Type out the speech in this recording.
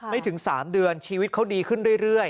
ไม่ถึง๓เดือนชีวิตเขาดีขึ้นเรื่อย